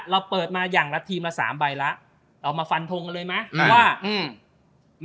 เราเปิดมายังละทีมาสามใบละเอามาฟันโทงกันเลยมั้ยอืมว่าอืม